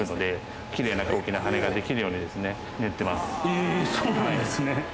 へぇそうなんですね。